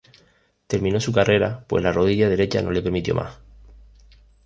Terminó su carrera pues la rodilla derecha no le permitió más.